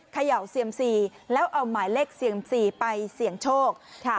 เขย่าเซียมซีแล้วเอาหมายเลขเซียมซีไปเสี่ยงโชค